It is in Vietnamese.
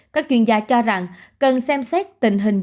các chuyên gia cho rằng cần xem xét tình hình